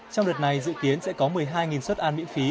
trong đợt này dự kiến sẽ có một mươi hai xuất ăn miễn phí